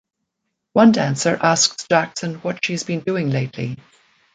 One dancer asks Jackson what she has been doing lately.